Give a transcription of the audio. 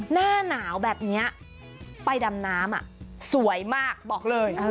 หน้าหนาวแบบนี้ไปดำน้ำสวยมากบอกเลย